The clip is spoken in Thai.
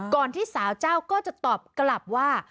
ที่สาวเจ้าก็จะตอบกลับว่า